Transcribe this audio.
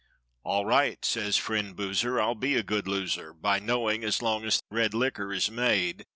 "All right!" says friend Boozer, "I'll be a good loser By knowing, as long as red liquor is made.